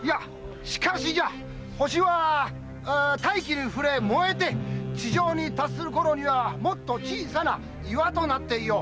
星は大気に触れ燃えて地上に達するころにはもっと小さな岩となっていよう。